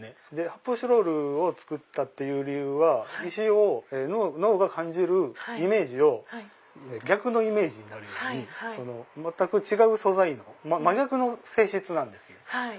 発泡スチロールを作ったっていう理由は石を脳が感じるイメージを逆のイメージになるように全く違う素材の真逆の性質なんですね。